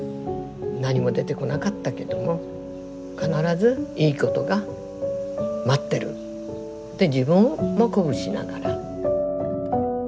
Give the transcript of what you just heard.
何も出てこなかったけども必ずいいことが待ってるって自分も鼓舞しながら。